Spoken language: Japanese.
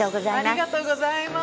ありがとうございます！